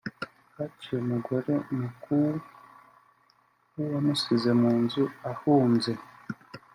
Haciye umugore mukuwu w’uwamusize mu nzu ahunze